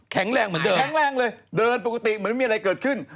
แข็งแรงเลยเดินปกติเหมือนไม่มีอะไรเกิดขึ้น